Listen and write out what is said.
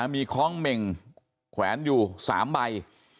มีคล้องเม่งแขวนอยู่๓ใบ